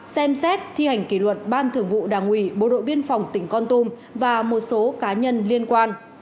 ba xem xét thi hành kỷ luật ban thường vụ đảng ủy bộ đội biên phòng tỉnh con tum và một số cá nhân liên quan